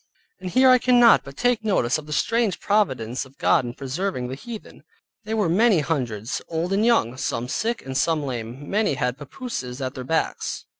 And here I cannot but take notice of the strange providence of God in preserving the heathen. They were many hundreds, old and young, some sick, and some lame; many had papooses at their backs.